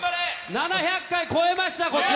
７００回超えました、こちら。